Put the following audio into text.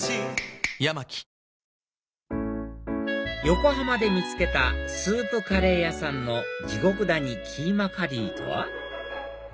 横浜で見つけたスープカレー屋さんの地獄谷キーマカリーとは？